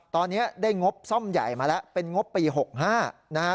ตอนนี้ได้งบซ่อมใหญ่มาแล้วเป็นงบปี๖๕นะฮะ